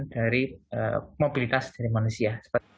dari mobilitas dari manusia